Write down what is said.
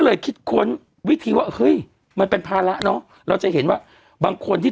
เลยคิดค้นวิธีว่าเฮ้ยมันเป็นภาระเนอะเราจะเห็นว่าบางคนที่